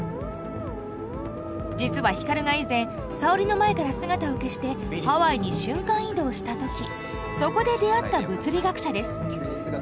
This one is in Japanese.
実は光が以前沙織の前から姿を消してハワイに瞬間移動した時そこで出会った物理学者です。